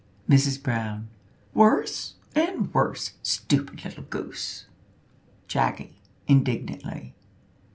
Mrs Brown. "Worse and worse, stupid little goose!" Jacky, (indignantly).